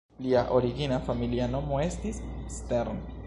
Lia origina familia nomo estis Stern".